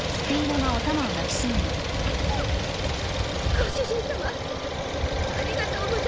ご主人さまありがとうございます。